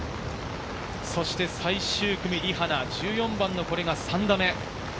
そして最終組リ・ハナ、１４番の３打目。